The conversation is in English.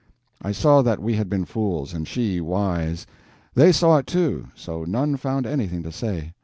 I saw that we had been fools, and she wise. They saw it too, so none found anything to say.